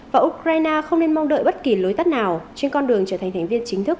và ukraine không nên mong đợi bất kỳ lối tắt nào trên con đường trở thành thành viên chính thức